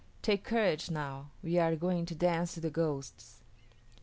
Take courage now; we are going to dance to the ghosts."